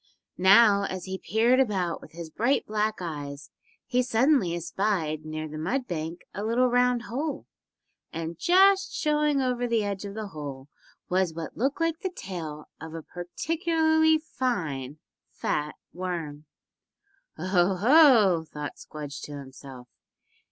Now as he peered about with his bright black eyes he suddenly espied near the mud bank a little round hole, and just showing over the edge of the hole was what looked like the tail of a particularly fine, fat worm. "Oh, ho!" thought Squdge to himself.